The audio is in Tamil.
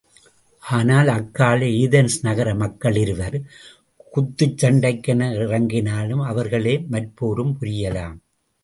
ஆனால், அக்கால ஏதென்ஸ் நகர மக்கள் இருவர் குத்துச் சண்டைக்கென இறங்கினாலும், அவர்களே மற்போரும் புரியலாம்.